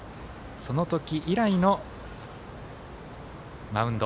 その時以来のマウンド。